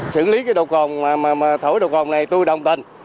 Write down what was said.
sử lý cái đồ còn mà thổi đồ còn này tôi đồng tình